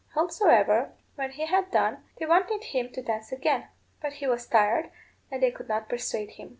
Howsomever, when he had done, they wanted him to dance again, but he was tired, and they could not persuade him.